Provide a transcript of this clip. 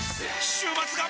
週末が！！